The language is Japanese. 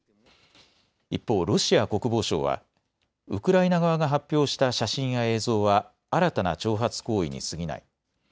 一方、ロシア国防省はウクライナ側が発表した写真や映像は新たな挑発行為にすぎない。